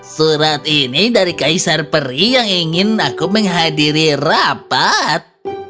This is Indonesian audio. surat ini dari kaisar peri yang ingin aku menghadiri rapat